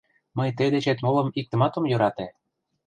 Мый тый дечет молым иктымат ом йӧрате.